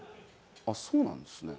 あっそうなんですね。